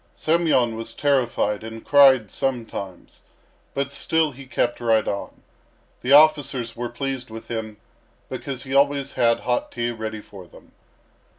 Semyon was terrified and cried sometimes, but still he kept right on. The officers were pleased with him, because he always had hot tea ready for them.